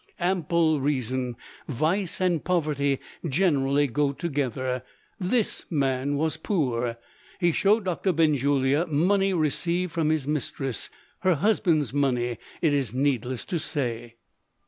"Ample reason! Vice and poverty generally go together this man was poor. He showed Doctor Benjulia money received from his mistress her husband's money, it is needless to say."